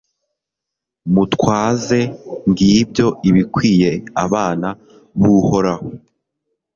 mutwaze, ngibyo ibikwiye abana b'uhoraho